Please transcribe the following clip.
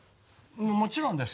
もちろんですよ。